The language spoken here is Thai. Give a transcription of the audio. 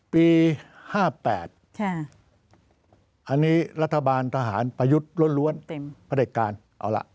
ปี๕๘อันนี้รัฐบาลทหารประยุทธ์ล้วนประเด็จการเอาล่ะ